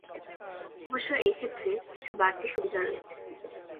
অবশ্য এক্ষেত্রে কিছু বাড়তি সুবিধা রয়েছে।